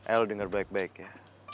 eh lo dengar baik baik ya